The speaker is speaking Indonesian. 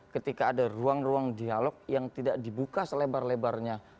ketika ada ruang ruang dialog yang tidak dibuka selebar lebarnya